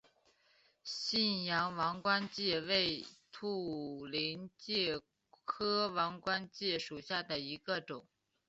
信阳王冠介为土菱介科王冠介属下的一个种。